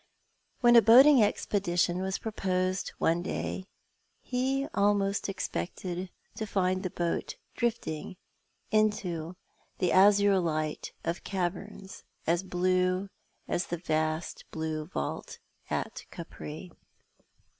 "When a boating expedition was proposed one day he almost expected to find the boat drifting into the azure light of caverns as blue as the vast blue vault at Capri.